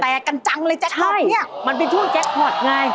แต่กันจังเลยแจ๊คพล็อตเนี่ยใช่มันเป็นช่วงแจ๊คพล็อตไง